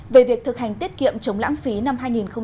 về việc thực hành tiết kiệm chống lãng phí năm hai nghìn một mươi chín